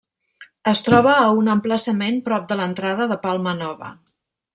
Es troba a un emplaçament prop de l'entrada de Palma Nova.